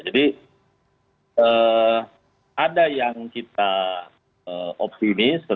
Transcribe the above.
jadi ada yang kita operasikan